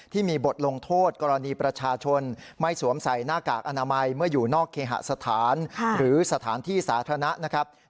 ที่มีบทลงโทษกรณีประชาชนไม่สวมใส่หน้ากากอนามัยเมื่ออยู่นอกเคหสถานหรือสถานที่สาธารณะนะครับ